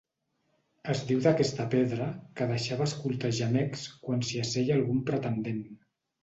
Es diu d'aquesta pedra que deixava escoltar gemecs quan s'hi asseia algun pretendent.